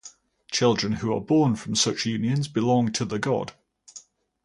Children who are born from such unions belong to the god.